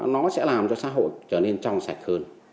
nó sẽ làm cho xã hội trở nên trong sạch hơn